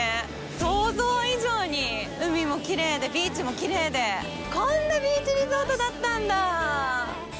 想像以上に海もきれいで、ビーチもきれいで、こんなビーチリゾートだったんだ！